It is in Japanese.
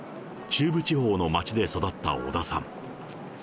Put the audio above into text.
中部地方の町で育った小田さん。